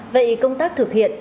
vậy công tác thực hiện